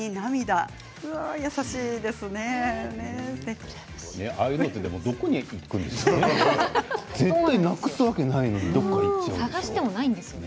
ああいうのってどこにいくんですかね？